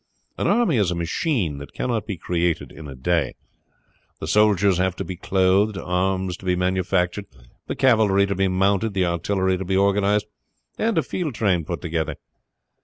An army is a machine that cannot be created in a day. The soldiers have to clothed, arms to be manufactured, the cavalry to be mounted, the artillery to be organized, and a field train got together.